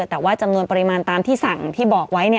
แต่ว่าจำนวนปริมาณตามที่สั่งที่บอกไว้